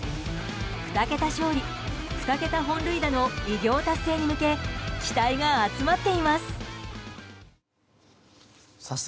２桁勝利２桁本塁打の偉業達成に向け期待が集まっています。